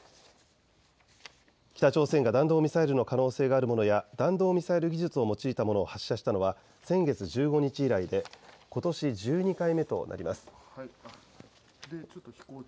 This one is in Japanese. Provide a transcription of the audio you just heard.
北朝鮮が弾道ミサイルの可能性があるものや弾道ミサイル技術を用いたものを発射したのは先月１５日以来でことし１２回目となります。